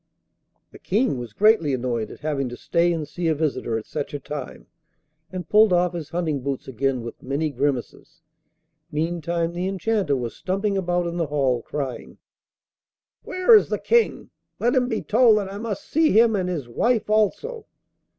The King was greatly annoyed at having to stay and see a visitor at such a time, and pulled off his hunting boots again with many grimaces. Meantime the Enchanter was stumping about in the hall, crying: 'Where is this King? Let him be told that I must see him and his wife also.